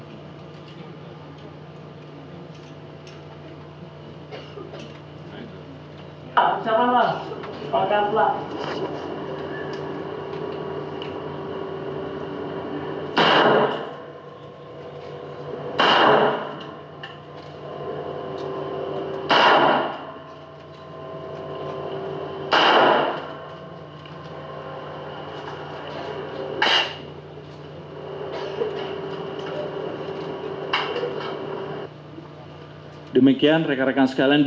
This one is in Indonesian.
ini dengan peredam